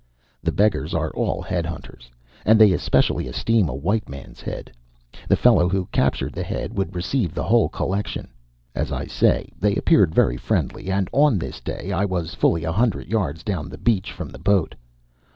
The beggars are all head hunters, and they especially esteem a white man's head. The fellow who captured the head would receive the whole collection. As I say, they appeared very friendly; and on this day I was fully a hundred yards down the beach from the boat.